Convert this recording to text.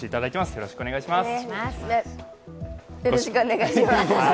よろしくお願いします。